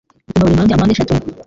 Gupima buri mpande ya mpandeshatu.